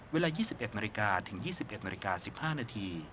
เวลา๒๑นาฬิกาถึง๒๑นาฬิกา๑๕นาที